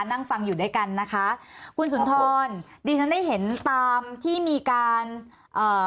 นั่งฟังอยู่ด้วยกันนะคะคุณสุนทรดิฉันได้เห็นตามที่มีการเอ่อ